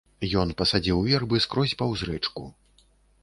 Ён пасадзіў вербы скрозь паўз рэчку.